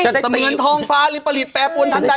จะได้ตีสำเนินทองฟ้าริปริตแปรปวดนั้นได้หรือเปล่า